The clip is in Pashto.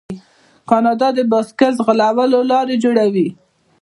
کاناډا د بایسکل ځغلولو لارې جوړوي.